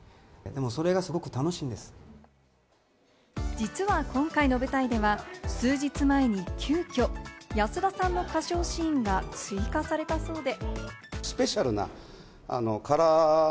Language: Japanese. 実は今回の舞台では、数日前に急きょ安田さんの歌唱シーンが追加されたそうで。